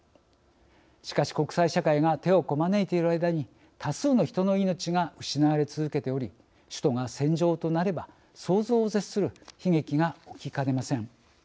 しかし国際社会が手をこまねいている間に多数の人の命が失われ続けており首都が戦場となれば想像を絶する悲劇が起きかねません。